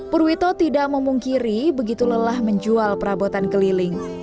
purwito tidak memungkiri begitu lelah menjual perabotan keliling